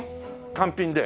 単品で？